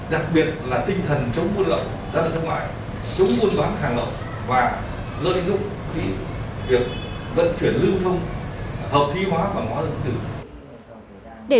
đặc biệt là tinh thần chống buôn lậu gian lận thương mại chống buôn lậu hàng lậu và lợi ích lúc khi việc vận chuyển lưu thông hợp thi hóa và hóa dân tử